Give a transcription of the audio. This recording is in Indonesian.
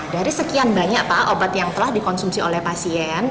dari sekian banyak pak obat yang telah dikonsumsi oleh pasien